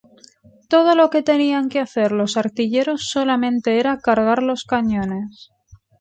Todo lo que tenían que hacer los artilleros solamente era cargar los cañones.